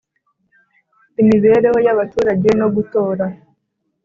imibereho y abaturage no gutora